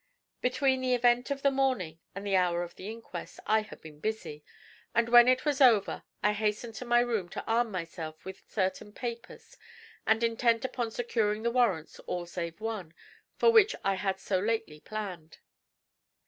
Between the event of the morning and the hour of the inquest I had been busy, and when it was over I hastened to my room to arm myself with certain papers and intent upon securing the warrants, all save one, for which I had so lately planned.